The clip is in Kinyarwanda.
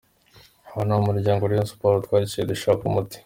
Abantu bo mu muryango wa Rayon Sports twaricaye dushaka umuti.